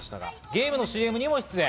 ゲームのＣＭにも出演。